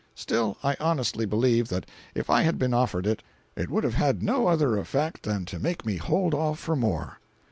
Still, I honestly believe that if I had been offered it, it would have had no other effect than to make me hold off for more.